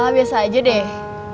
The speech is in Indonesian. biasa aja deh